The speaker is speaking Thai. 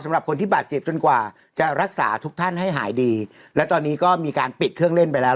สำหรับคนที่บาดเจ็บจนกว่าจะรักษาทุกท่านให้หายดีและตอนนี้ก็มีการปิดเครื่องเล่นไปแล้ว